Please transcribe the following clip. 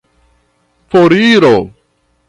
foriro